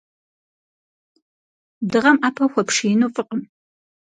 Дыгъэм ӏэпэ хуэпшиину фӏыкъым.